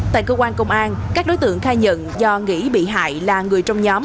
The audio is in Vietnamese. tại cơ quan công an các đối tượng khai nhận do nghĩ bị hại là người trong nhóm